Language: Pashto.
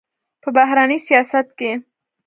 په بهرني سیاست کې